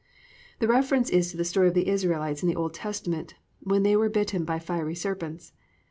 "+ The reference is to the story of the Israelites in the Old Testament when they were bitten by fiery serpents.